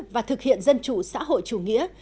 và thực hiện dân chủ xã hội chủ nghĩa